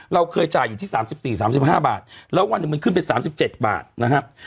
เราเคยจ่ายอยู่ที่๓๔๓๕บาทแล้ววันหนึ่งมันขึ้นไป๓๗บาทนะครับ